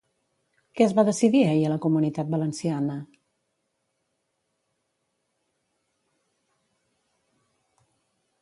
Què es va decidir ahir a la Comunitat Valenciana?